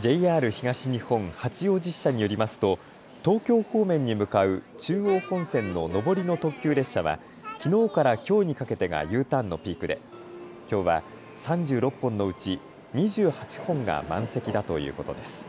ＪＲ東日本八王子支社によりますと東京方面に向かう中央本線の上りの特急列車はきのうからきょうにかけてがＵターンのピークできょうは３６本のうち２８本が満席だということです。